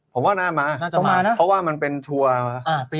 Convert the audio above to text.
ผมว่าน่ามาเพราะว่ามันเป็นทัวร์